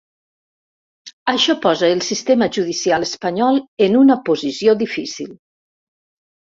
Això posa el sistema judicial espanyol en una posició difícil.